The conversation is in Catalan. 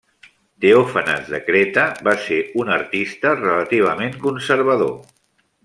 Teòfanes de Creta va ser un artista relativament conservador.